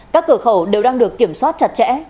các cửa khẩu đều đang được kiểm soát chặt chẽ